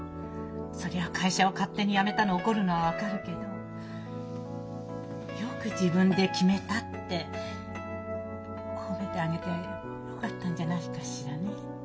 そりゃ会社を勝手に辞めたの怒るのは分かるけど「よく自分で決めた」って褒めてあげてもよかったんじゃないかしらね。